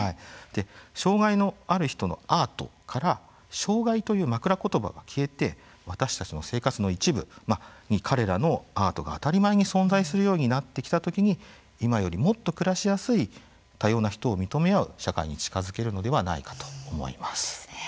障害のある人のアートから「障害」という枕ことばが消えて私たちの生活の一部に彼らのアートが当たり前に存在するようになってきた時に今よりもっと暮らしやすい多様な人を認め合う社会に近づけるのではないかと思います。